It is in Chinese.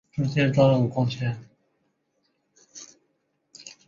画中画是部分电视接收器和类似设备的一项功能。